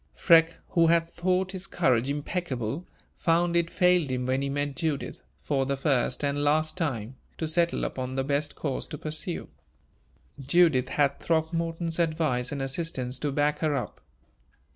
Freke, who had thought his courage impeccable, found it failed him when he met Judith, for the first and last time, to settle upon the best course to pursue. Judith had Throckmorton's advice and assistance to back her up.